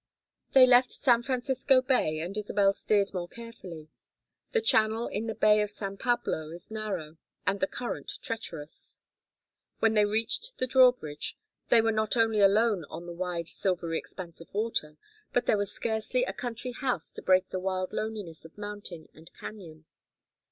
They left San Francisco Bay and Isabel steered more carefully: the channel in the Bay of San Pablo is narrow and the current treacherous. When they reached the drawbridge they were not only alone on the wide silvery expanse of water, but there was scarcely a country house to break the wild loneliness of mountain and cañon.